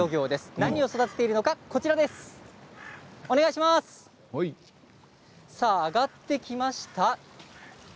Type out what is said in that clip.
何を育てているのかさあ、あがってきました。